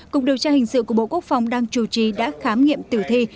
cục điều tra hình sự của bộ quốc phòng đang chủ trì đã khám nghiệm tử thi